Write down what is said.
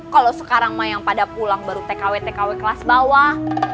kalau sekarang ma yang pada pulang baru tkw tkw kelas bawah